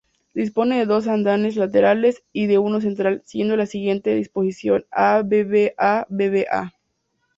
Dispone de dos andenes laterales y de uno central, siguiendo la siguiente disposición: a-v-v-a-v-v-a.